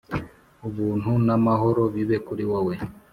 Ubuntu n’amahoro bibe kuri wowe